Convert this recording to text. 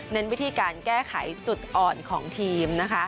วิธีการแก้ไขจุดอ่อนของทีม